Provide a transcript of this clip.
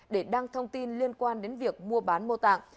để đăng thông tin liên quan đến việc mua bán mô tạng